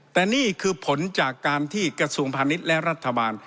แต่นี่คือผลจากการที่กระทรวงพาณิชย์และรัฐบาล